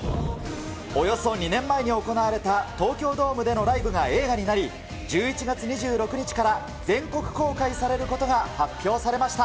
およそ２年前に行われた東京ドームでのライブが映画になり、１１月２６日から全国公開されることが発表されました。